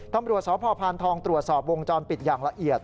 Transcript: ตำรวจสพพานทองตรวจสอบวงจรปิดอย่างละเอียด